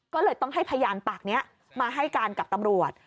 ก็เลยต้องให้พยานปากนี้มาให้การกับตำรวจ